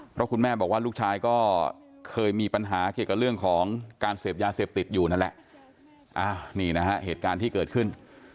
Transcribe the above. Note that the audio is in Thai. เพราะคุณแม่บอกว่าลูกชายก็เคยมีปัญหาเกี่ยวกับเรื่องของการเสพยาเสพติดอยู่นั่นแหละนี่นะฮะเหตุการณ์ที่เกิดขึ้น